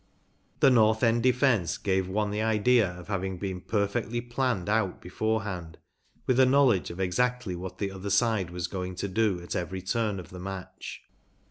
The North End defence gave one the idea of having been perfectly planned out beforehand with a knowledge of exactly what the other side was going to do at every turn of the match.